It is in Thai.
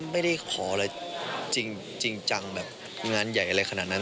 ไม่ได้ขออะไรจริงจังแบบงานใหญ่อะไรขนาดนั้น